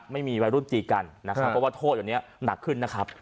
ไม่มีวัยรุ่นจีกันนะครับเพราะว่าโทษอันนี้หนักขึ้นนะครับ